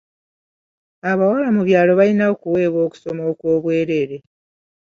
Abawala mu byalo balina okuweebwa okusoma okwobwerere.